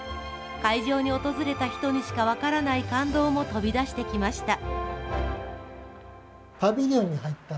会場に訪れた人にしか分からない感動も飛び出してきました。